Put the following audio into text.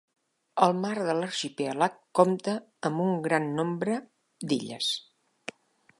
El Mar de l'Arxipèlag compta amb un gran nombre d'illes.